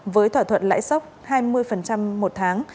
với thỏa thuận lãi sốc hai mươi một tháng